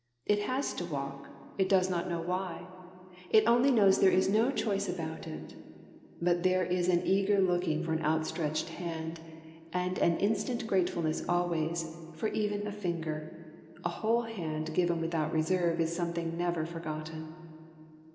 It has to walk; it does not know why: it only knows there is no choice about it. But there is an eager looking for an outstretched hand, and an instant gratefulness always, for even a finger. A whole hand given without reserve is something never forgotten.